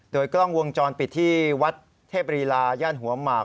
โดยกล้องวงจรปิดที่วัดเทพรีลาย่านหัวหมาก